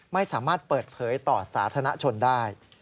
ไม่สามารถเปิดเผยต่อสาธารณชนได้